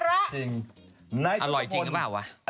อร่อยจริงหรือเปล่า